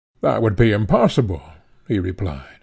That would be impossible, he replied.